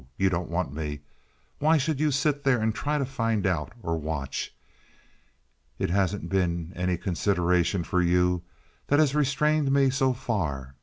You don't want me. Why should you sit there and try to find out, or watch? It hasn't been any consideration for you that has restrained me so far.